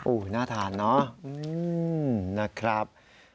โอ้โหน่าทานเนอะนะครับ